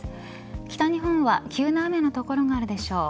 北日本は急な雨の所があるでしょう。